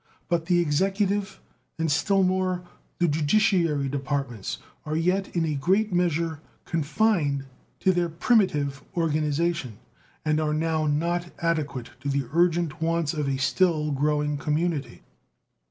But the executive and, still more, the judiciary departments are yet in a great measure confined to their primitive organization, and are now not adequate to the urgent wants of a still growing community.